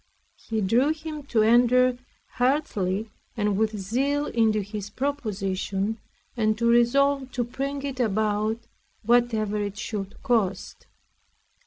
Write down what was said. He drew him to enter heartily and with zeal into this proposition, and to resolve to bring it about whatever it should cost.